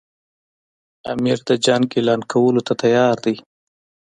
امیر د جنګ اعلان کولو ته تیار دی.